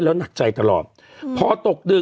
ขออีกทีอ่านอีกที